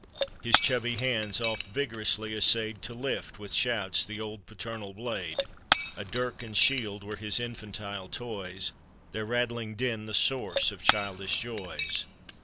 His chubby hands oft vigorously clayed To lift, with shouts, the old paternal blade. A dirk and shield were his infantile toy*, Their rattling din the source of childioh joy*.